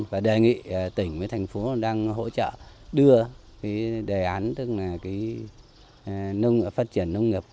và đề nghị tỉnh với thành phố đang hỗ trợ đưa cái đề án tức là phát triển nông nghiệp